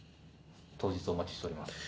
当日お待ちしております。